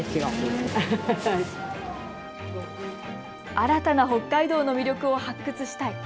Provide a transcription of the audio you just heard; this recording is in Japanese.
新たな北海道の魅力を発掘したい。